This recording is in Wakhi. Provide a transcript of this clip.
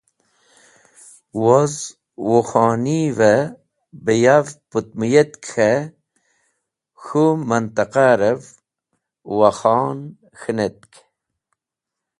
Woz whuk̃honivẽ bẽ yav putmuyetk k̃hẽ k̃hũ mẽntẽqarẽv Wakhan k̃hẽnetk.